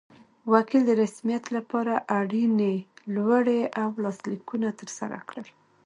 وکیل د رسمیت لپاره اړینې لوړې او لاسلیکونه ترسره کړل.